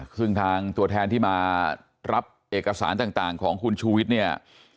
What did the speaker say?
ซึ่งทางตัวแทนที่มารับเอกสารต่างของคุณชูวิทย์เนี่ย